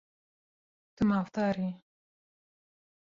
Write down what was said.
Tu mafdar î.